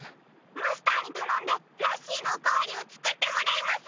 マスターにたのんでラッシーのおかわりをつくってもらいます。